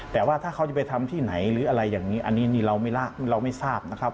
แต่ว่าถ้าเขาจะไปทำที่ไหนหรืออะไรอย่างนี้อันนี้เราไม่ทราบนะครับ